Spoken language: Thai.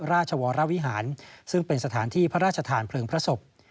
ราชวรวิหารซึ่งเป็นสถานที่พระราชทานเพลิงพระศพ